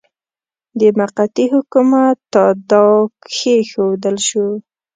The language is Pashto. د موقتي حکومت تاداو کښېښودل شو.